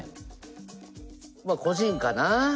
まっ個人かな。